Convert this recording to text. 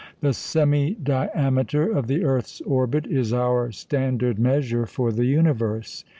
The semi diameter of the earth's orbit is our standard measure for the universe.